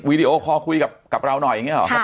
วิดีโอคอร์คุยกับเราหน่อยอย่างนี้หรอ